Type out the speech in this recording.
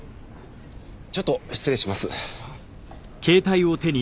ちょっと失礼します。